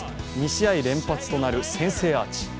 ２試合連発となる先制アーチ。